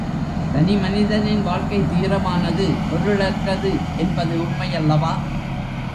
தனி மனிதனின் வாழ்க்கை துயரமானது, பொருளற்றது என்பது உண்மையல்லவா?